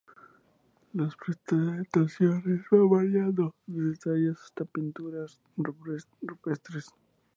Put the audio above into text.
Las presentaciones van variando, desde tallas hasta pinturas rupestres.